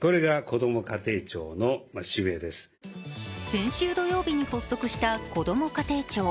先週土曜日に発足したこども家庭庁。